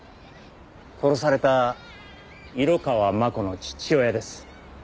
殺された色川真子の父親です。